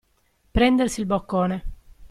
Prendersi il boccone.